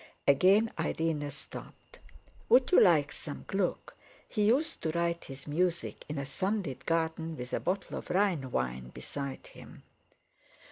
Again Irene stopped. "Would you like some Gluck? He used to write his music in a sunlit garden, with a bottle of Rhine wine beside him."